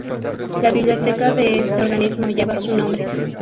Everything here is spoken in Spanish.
La biblioteca de este organismo lleva su nombre.